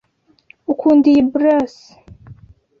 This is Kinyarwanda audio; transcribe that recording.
Ukunda iyi blus?